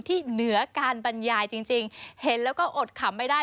เหนือการบรรยายจริงเห็นแล้วก็อดขำไม่ได้